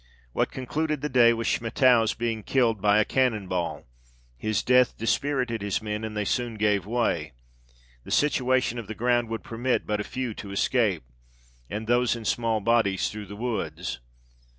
What concluded the day was Schmettau's being killed by a cannon ball : his death dispirited his men, and they soon gave way ; the situation of the ground would permit but a few to escape, and those in small bodies through the woods.